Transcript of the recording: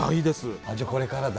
じゃあこれからだ。